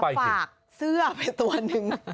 ฝากเสื้อไปตัวหนึ่ง